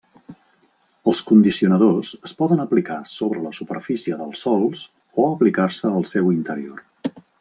Els condicionadors es poden aplicar sobre la superfície dels sòls o aplicar-se al seu interior.